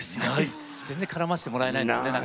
全然絡ませてもらえないんですね。